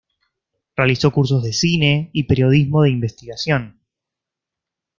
Realizó cursos de Cine y Periodismo de Investigación.